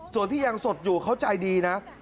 ส่วนที่ยังสดอยู่เขาใจดีนะ